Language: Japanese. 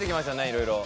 いろいろ。